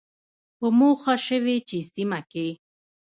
په موخه شوې چې سیمه کې